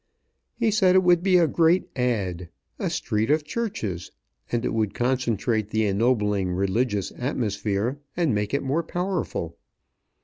He said it would be a great "ad." a street of churches; and it would concentrate the ennobling religious atmosphere, and make it more powerful.